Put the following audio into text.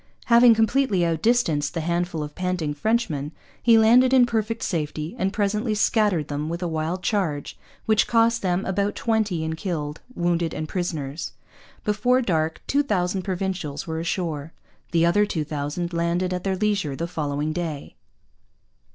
Having completely outdistanced the handful of panting Frenchmen, he landed in perfect safety and presently scattered them with a wild charge which cost them about twenty in killed, wounded, and prisoners. Before dark two thousand Provincials were ashore. The other two thousand landed at their leisure the following day.